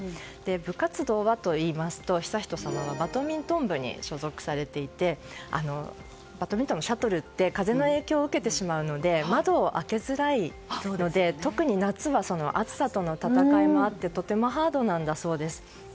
部活動は悠仁さまはバドミントン部に所属されていましてバドミントンのシャトルって風の影響を受けてしまうので窓を開けづらいので特に夏は暑さとの戦いもありとてもハードなんだそうです。